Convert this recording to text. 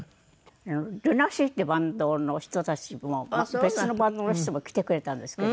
ＬＵＮＡＳＥＡっていうバンドの人たちも別のバンドの人も来てくれたんですけど。